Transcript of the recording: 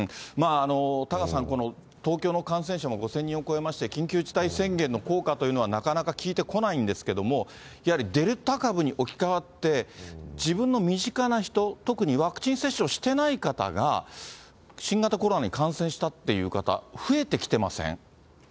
タカさん、東京の感染者も５０００人を超えまして、緊急事態宣言の効果というのはなかなか効いてこないんですけれども、やはりデルタ株に置き換わって、自分の身近な人、特にワクチン接種をしてない方が、新型コロナに感染したっていう方、増えてきてません？